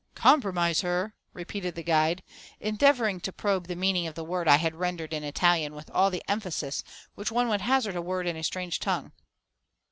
"Compromise her!" repeated the guide, endeavouring to probe the meaning of the word I had rendered in Italian with all the emphasis which one would hazard a word in a strange tongue.